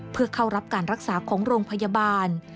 เพื่อเข้ารับการรักษาของโรงพยาบาล